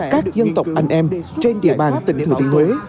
các dân tộc anh em trên địa bàn tỉnh thủ tỉnh huế